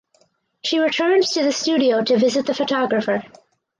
She returns to the studio to visit the photographer.